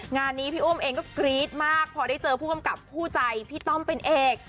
งานนี้พี่อุ้มเองก็กรี๊ดมากพอได้เจอผู้กำกับคู่ใจพี่ต้อมเป็นเอก